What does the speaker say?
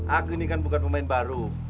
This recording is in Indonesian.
ag ini kan bukan pemain baru